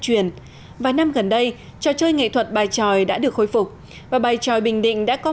truyền vài năm gần đây trò chơi nghệ thuật bài tròi đã được khôi phục và bài tròi bình định đã có